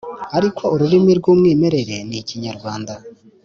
ariko ururimi rw umwimerere ni ikinyarwanda